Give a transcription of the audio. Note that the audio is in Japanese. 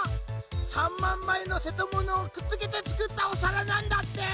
３まんまいのせとものをくっつけてつくったおさらなんだって！